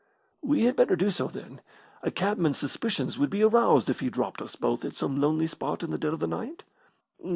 "We had better do so, then. A cabman's suspicions would be aroused if he dropped us both at some lonely spot in the dead of the night."